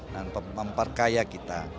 dan memperkaya kita